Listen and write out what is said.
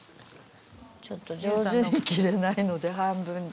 ちょっと上手に着れないので半分で。